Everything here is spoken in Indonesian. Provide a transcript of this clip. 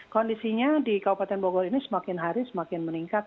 kondisinya di kabupaten bogor ini semakin hari semakin meningkat